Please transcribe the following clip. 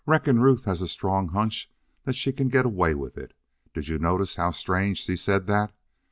"Reckon Ruth has a strong hunch that she can get away with it. Did you notice how strange she said that?